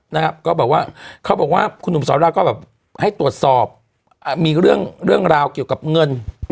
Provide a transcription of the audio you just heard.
นะครับก็บอกว่าเขาบอกว่าคุณหนุ่มสอนราก็แบบให้ตรวจสอบมีเรื่องราวเกี่ยวกับเงิน